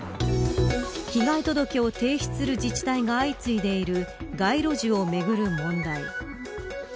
被害届を提出する自治体が相次いでいる街路樹をめぐる問題。